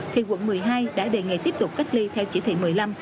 thì quận một mươi hai đã đề nghị tiếp tục cách ly theo chỉ thị một mươi năm